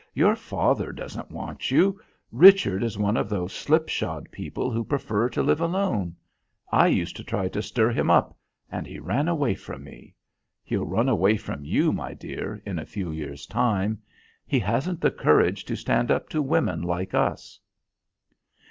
"Your father doesn't want you Richard is one of those slip shod people who prefer to live alone. I used to try to stir him up, and he ran away from me. He'll run away from you, my dear, in a few years' time. He hasn't the courage to stand up to women like us."